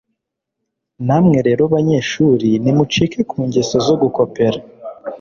Namwe rero banyeshuri nimucike ku ngeso zo gukopera